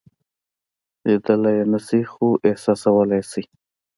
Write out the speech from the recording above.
لیدلی یې نشئ خو احساسولای یې شئ.